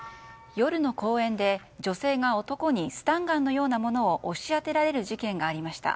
夜の公園で女性が男にスタンガンのようなものを押し当てられる事件がありました。